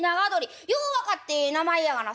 よう分かってええ名前やがな。